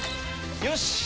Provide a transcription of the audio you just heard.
よし！